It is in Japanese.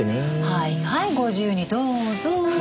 はいはいご自由にどうぞ。